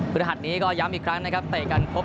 ฤหัสนี้ก็ย้ำอีกครั้งนะครับเตะกันพบ